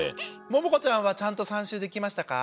ももかちゃんはちゃんと３しゅうできましたか？